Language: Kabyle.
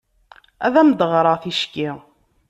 Ad am-d-ɣreɣ ticki.